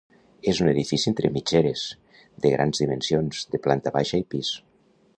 És un edifici entre mitgeres, de grans dimensions, de planta baixa i pis.